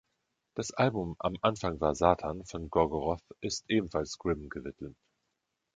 Das Album „Am Anfang war Satan“ von Gorgoroth ist ebenfalls Grim gewidmet.